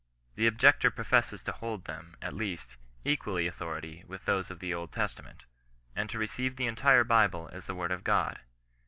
The objector professes to hold them, at least, equally authoritative with those of the Old Testament, and to receive the entire Bible as the word of God.